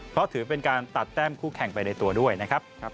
เพราะถือเป็นการตัดแต้มคู่แข่งไปในตัวด้วยนะครับ